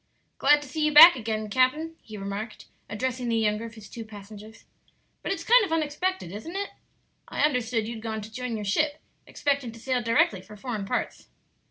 "Glad to see you back again, capt'n," he remarked, addressing the younger of his two passengers; "but it's kind of unexpected, isn't it? I understood you'd gone to join your ship, expecting to sail directly for foreign parts."